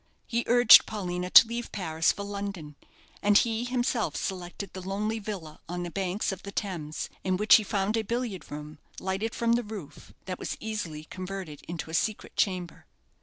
He urged Paulina to leave Paris for London; and he himself selected the lonely villa on the banks of the Thames, in which he found a billiard room, lighted from the roof, that was easily converted into a secret chamber.